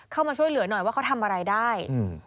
เข้ามาช่วยเหลือหน่อยว่าเขาทำอะไรได้